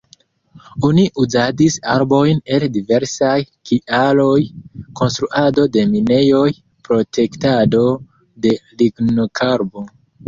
Oni uzadis arbojn el diversaj kialoj- konstruado de minejoj, protektado de lignokarbo.